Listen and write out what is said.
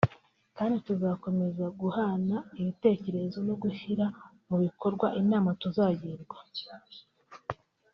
kandi tuzakomeza guhana ibitekerezo no gushyira mu bikorwa inama tuzagirwa